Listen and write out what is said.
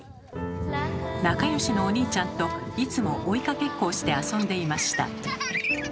仲良しのお兄ちゃんといつも追いかけっこをして遊んでいました。